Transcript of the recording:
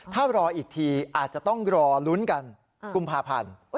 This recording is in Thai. ถ้ารออีกทีอาจจะต้องรอลุ้นกันกุมภาพันธ์